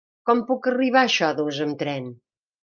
Com puc arribar a Xodos amb tren?